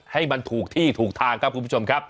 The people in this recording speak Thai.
ให้มันถูกที่ถูกทางครับคุณผู้ชมครับ